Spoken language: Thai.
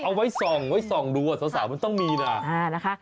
เอาไว้ส่องดูสาวสาวมันต้องมีนะ